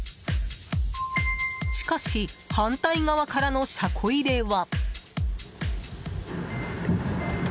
しかし、反対側からの車庫入れは。